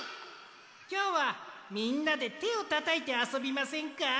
きょうはみんなでてをたたいてあそびませんか？